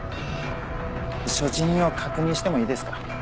所持品を確認してもいいですか？